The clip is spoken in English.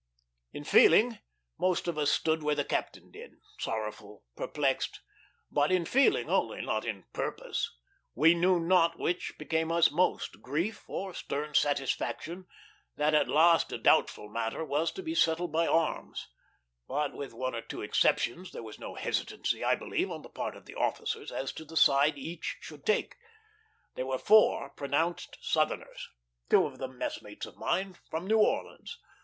In feeling, most of us stood where this captain did, sorrowful, perplexed; but in feeling only, not in purpose. We knew not which became us most, grief, or stern satisfaction that at last a doubtful matter was to be settled by arms; but, with one or two exceptions, there was no hesitancy, I believe, on the part of the officers as to the side each should take. There were four pronounced Southerners: two of them messmates of mine, from New Orleans.